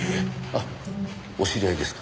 あっお知り合いですか？